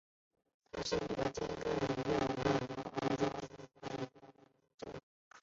他是一个坚定的右派和欧洲怀疑论者。